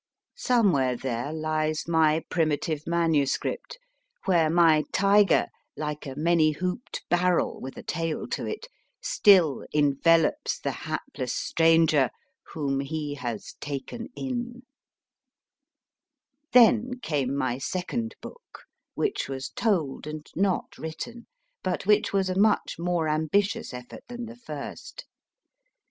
Somewhere there lies my primitive manu script, where my tiger, like a many hooped barrel with a tail to it, still envelops the hapless stranger whom he has taken in. A. CONAN DOYLE TOT Then came my second book, which was told and not written, but which was a much more ambitious effort than the first.